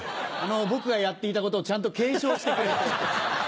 僕がやっていたことをちゃんと継承してくれて。